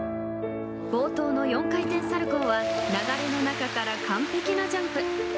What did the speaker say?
冒頭の４回転サルコウは流れの中から完璧なジャンプ。